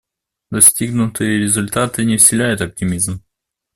Достигнутые результаты не вселяют оптимизм.